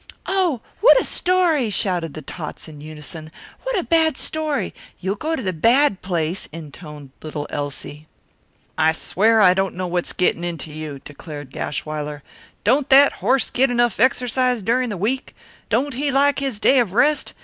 "Oh, what a story!" shouted the tots in unison. "What a bad story! You'll go to the bad place," intoned little Elsie. "I swear, I don't know what's gettin' into you," declared Gashwiler. "Don't that horse get exercise enough during the week? Don't he like his day of rest?